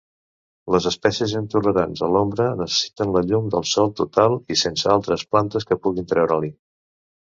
Les espècies intolerants a l'ombra necessiten la llum del sol total i sense altres plantes que puguin treure-li.